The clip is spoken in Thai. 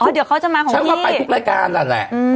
อ๋อเดี๋ยวเขาจะมาของพี่ใช่ว่าเขาไปทุกรายการน่ะแหละอืม